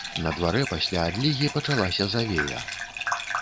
На дварэ пасля адлігі пачалася завея.